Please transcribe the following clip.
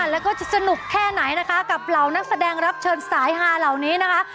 แล้วก็จะสนุกแค่ไหนนะคะกับเหล่านักแสดงรับเชิญสายฮาเหล่านี้นะคะ